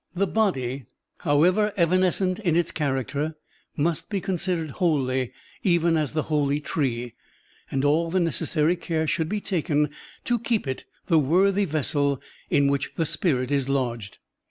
The body, however evanescent in its character, must be considered holy even as the holy tree, and all the necessary care should be taken to keep it the worthy vessel in which the spirit is lodged.